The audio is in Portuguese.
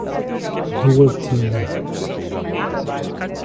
Duartina